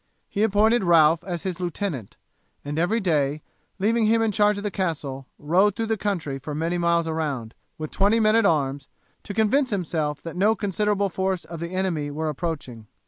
He appointed Ralph as his lieutenant, and every day, leaving him in charge of the castle, rode through the country for many miles round, with twenty men at arms, to convince himself that no considerable force of the enemy were approaching.